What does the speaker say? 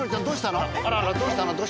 どうしたの？